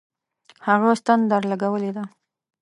هغه ستن درلگولې ده.